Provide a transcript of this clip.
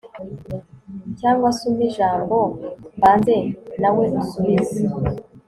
cyangwa se umpe ijambo mbanze, nawe unsubize